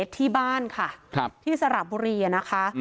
ที่บ้านค่ะที่สระบุรีนะคะ